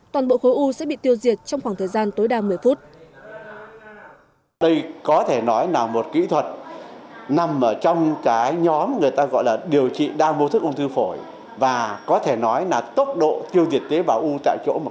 toàn bộ khối u sẽ bị tiêu diệt trong khoảng thời gian tối đa một mươi phút